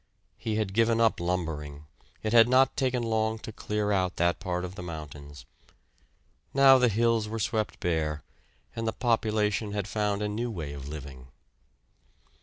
He had given up lumbering; it had not taken long to clear out that part of the mountains. Now the hills were swept bare, and the population had found a new way of living.